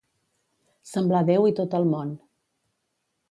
Semblar Déu i tot el món